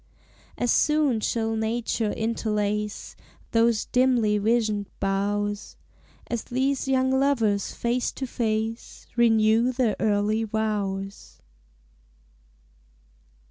As soon shall nature interlace Those dimly visioned boughs, As these young lovers face to face Renew their early vows.